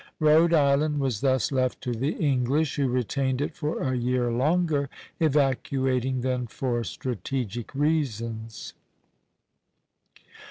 Rhode Island was thus left to the English, who retained it for a year longer, evacuating then for strategic reasons.